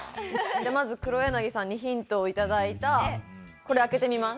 じゃまず黒柳さんにヒントを頂いたこれ開けてみます。